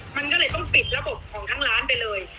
มันก็เลยต้องปิดระบบของทั้งร้านไปเลย